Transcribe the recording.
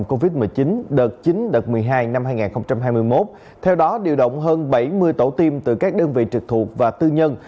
đợt chín đợt một mươi hai năm hai nghìn hai mươi một theo đó điều động hơn bảy mươi tổ tiêm từ các đơn vị trực thuộc và tư nhân